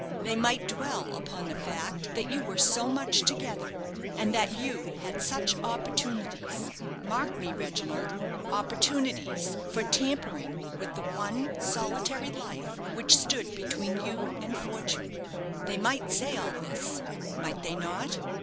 They might dwell upon the fact that you were so much together, and that you had such opportunities mark me, Reginald, opportunities for tampering with the one solitary life which stood between you and fortune. They might say all this, might they not?"